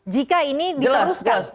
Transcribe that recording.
jika ini diteruskan